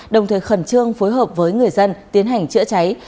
đồng thời khẩn trương phối hợp với người dân tiến hành chữa cháy